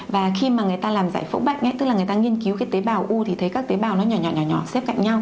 và khi mà người ta làm giải phẫu bạch tức là người ta nghiên cứu cái tế bào u thì thấy các tế bào nó nhỏ nhỏ nhỏ nhỏ xếp cạnh nhau